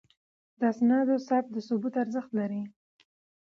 د اسنادو ثبت د ثبوت ارزښت لري.